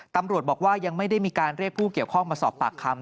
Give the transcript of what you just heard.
ตำรวจบอกว่ายังไม่ได้มีการเรียกผู้เกี่ยวข้องมาสอบปากคำ